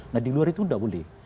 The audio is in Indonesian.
nah di luar itu tidak boleh